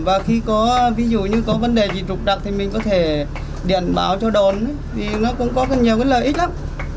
và khi có ví dụ như có vấn đề gì trục đặc thì mình có thể điện báo cho đồn vì nó cũng có nhiều lợi ích lắm